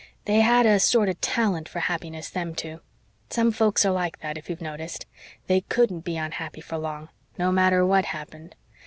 They had a sort of talent for happiness, them two. Some folks are like that, if you've noticed. They COULDN'T be unhappy for long, no matter what happened.